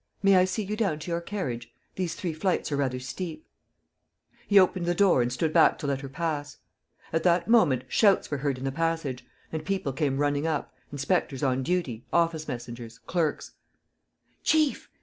May I see you down to your carriage? These three flights are rather steep. ..." He opened the door and stood back to let her pass. At that moment shouts were heard in the passage and people came running up, inspectors on duty, office messengers, clerks: "Chief!